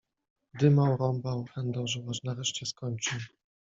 Dymał, rąbał, chędożył, aż nareszcie skończył.